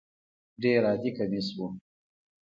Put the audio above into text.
ډېر عادي کمیس و.